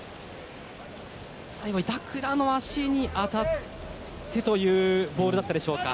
最後、板倉の足に当たってというボールだったでしょうか。